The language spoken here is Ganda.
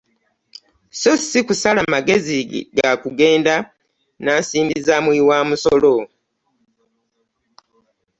So si kusala magezi ga kugenda na nsimbi za muwi wa musolo.